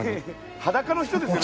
裸の人ですよね